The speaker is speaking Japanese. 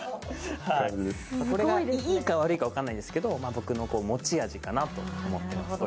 これがいいか悪いかわからないですけど僕の持ち味かなと思ってます。